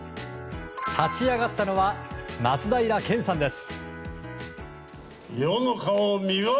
立ち上がったのは松平健さんです。